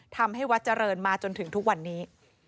ทำให้วัดเจริญมาจนถึงทุกวันนี้